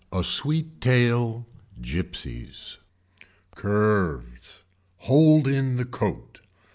A SWEET TAIL (GYPSIES) Curves. Hold in the coat.